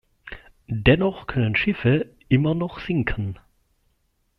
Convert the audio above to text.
Dennoch können Schiffe immer noch sinken.